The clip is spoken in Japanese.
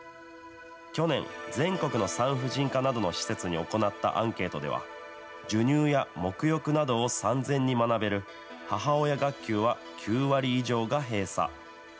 去年、全国の産婦人科などの施設に行ったアンケートでは、授乳やもく浴などを産前に学べる母親学級は、９割以上が閉鎖。